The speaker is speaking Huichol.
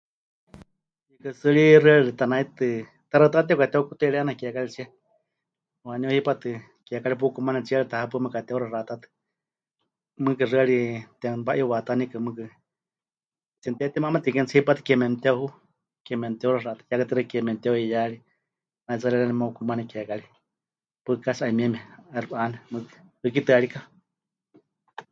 Hiikɨ tsɨ ri xɨari tanaitɨ taxaɨtá tepɨkateheukutei ri 'eena kiekaritsie, waaníu hipátɨ kiekari pukumane tsiere tahepaɨ mekate'uxaxatátɨ, mɨɨkɨ xɨari temɨwa'iwaatánikɨ mɨɨkɨ, temɨtehetimamatekeni tsɨ hipátɨ, ke memɨte'uhu, ke memɨte'uxaxatá ya katixaɨ ke memɨte'u'iyaari, naitsarie xeeníu mukumane kiekari, paɨ casi 'ayumieme 'aixɨ pɨ'ane mɨɨkɨ 'ɨ́kitɨarika.